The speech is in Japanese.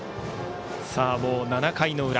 もう７回の裏。